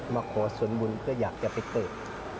มาขอส่วนบุญเพื่ออยากจะไปเกิด